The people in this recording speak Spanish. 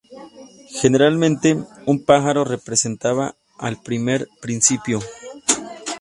Generalmente, un pájaro representaba al primer principio.